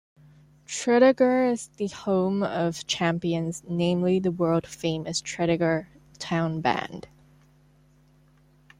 Tredegar is 'The Home of Champions' namely the world-famous Tredegar Town Band.